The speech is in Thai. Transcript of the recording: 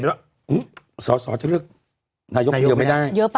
หึสอสอจะเลือกนายกเดียวไม่ได้